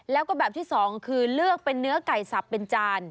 แล้วก็แบบที่สองคือเลือกเป็นเนื้อไก่สับเป็นจาน